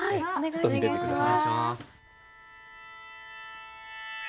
ちょっと見てて下さい。